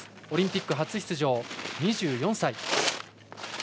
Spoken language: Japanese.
オリンピック初出場、２４歳。